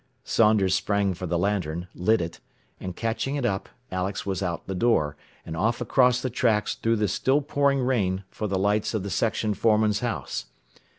Saunders sprang for the lantern, lit it, and catching it up, Alex was out the door, and off across the tracks through the still pouring rain for the lights of the section foreman's house.